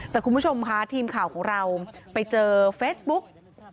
แต่คุณผู้ชมค่ะทีมข่าวของเราไปเจอเฟซบุ๊ก